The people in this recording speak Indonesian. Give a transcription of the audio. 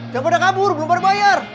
jangan udah kabur belum baru bayar